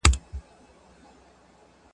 تاسي کولای شئ خپله پوښتنه په پاڼه کې ولیکئ.